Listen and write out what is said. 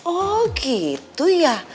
oh gitu ya